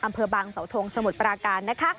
อำเภอบางสาวทงสมุทรปราการนะคะ